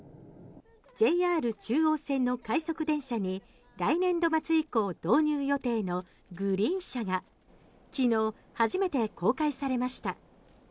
ＪＲ中央線の快速電車に来年度末以降導入予定のグリーン車が昨日初めて公開されました。